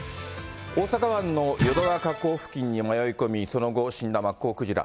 大阪湾の淀川河口付近に迷い込み、その後死んだマッコウクジラ。